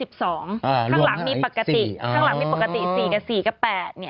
ข้างหลังมีปกติ๔กับ๘